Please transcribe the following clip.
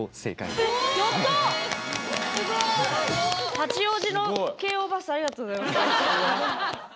八王子の京王バスありがとうございます。